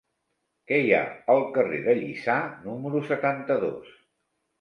Què hi ha al carrer de Lliçà número setanta-dos?